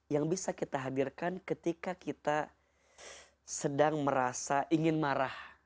yang bisa kita hadirkan ketika kita sedang merasa ingin marah